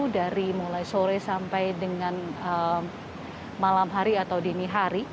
dari mulai sore sampai dengan malam hari atau dini hari